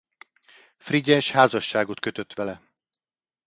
Frigyes házasságot kötött vele.